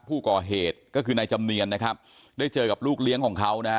ผู้ก่อเหตุก็คือนายจำเนียนนะครับได้เจอกับลูกเลี้ยงของเขานะฮะ